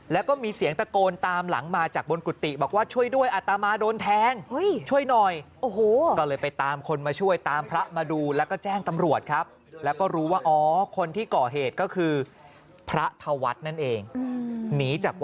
แล้วก็มีเสียงตะโกนตามหลังมาจากบนกุฏติ